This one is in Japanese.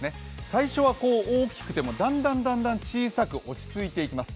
最初は大きくてもだんだんだんだん、小さく落ち着いていきます。